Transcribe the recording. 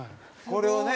これをね